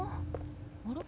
あれ？